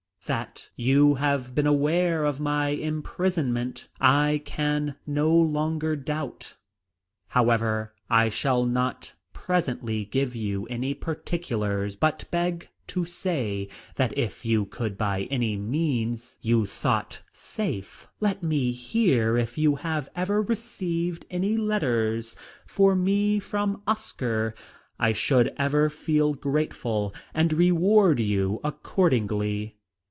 That you have been aware of my imprisonment I can no longer doubt. However, I shall not presently give you any particulars, but beg to say that if you could by any means you thought safe let me hear if you have ever received any letters for me from Oscar, I should ever feel grateful and reward you accordingly.